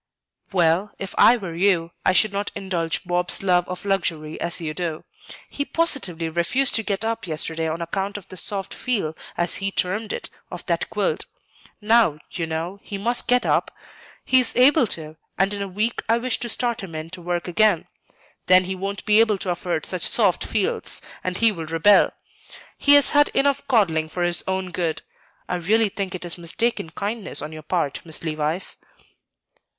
"Well, if I were you I should not indulge Bob's love of luxury as you do. He positively refused to get up yesterday on account of the 'soft feel,' as he termed it, of that quilt. Now, you know, he must get up; he is able to, and in a week I wish to start him in to work again. Then he won't be able to afford such 'soft feels,' and he will rebel. He has had enough coddling for his own good. I really think it is mistaken kindness on your part, Miss Levice."